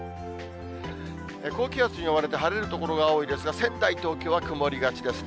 高気圧に覆われて、晴れる所が多いですが、仙台、東京は曇りがちですね。